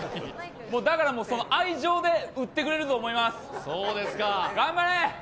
だから、愛情で打ってくれると思います、頑張れ！